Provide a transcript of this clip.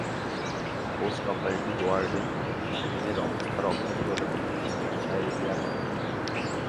Post operative ওয়ার্ডে শারমিনের অবস্থার অবনতি হলে তাঁকে চিকিৎসায় এগিয়ে আসেননি।